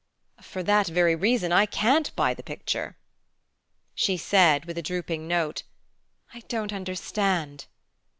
"For that very reason I can't buy the picture." She said, with a drooping note, "I don't understand."